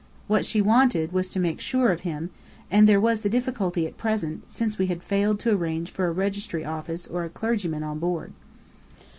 What she wanted, was to make sure of him, and there was the difficulty at present, since we had failed to arrange for a registry office or a clergyman on board.